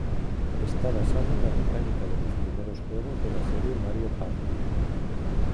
Esta basado en la mecánica de los primeros juegos de la serie Mario Party.